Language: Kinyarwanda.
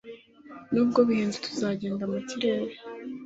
Nubwo bihenze, tuzagenda mu kirere.